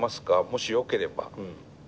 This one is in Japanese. もしよければ。